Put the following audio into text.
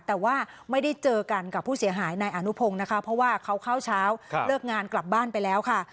แต่ว่าไม่ได้เจอกันกับผู้เสียหายนายอนุพงศ์นะคะเพราะว่าเขาเข้าเช้าเลิกงานกลับบ้านไปแล้วค่ะ